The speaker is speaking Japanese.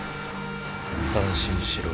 安心しろ。